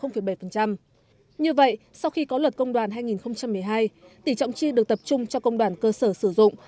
như vậy sau khi có luật công đoàn hai nghìn một mươi hai tỷ trọng chi được tập trung cho công đoàn cơ sở sử dụng